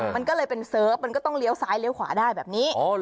มันก็เลยเป็นเซิร์ฟมันก็ต้องเลี้ยวซ้ายเลี้ยวขวาได้แบบนี้